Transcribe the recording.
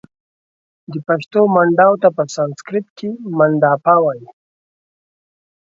د پښتو منډو Mandaw ته په سنسیکرت کښې Mandapa وايي